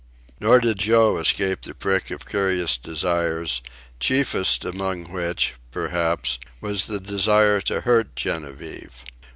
Nor did Joe escape the prick of curious desires, chiefest among which, perhaps, was the desire to hurt Genevieve.